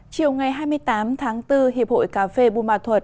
chiều ngày hai mươi tám tháng bốn hiệp hội cà phê bù ma thuật